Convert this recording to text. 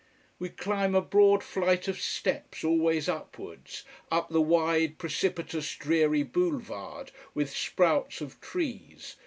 We climb a broad flight of steps, always upwards, up the wide, precipitous, dreary boulevard with sprouts of trees.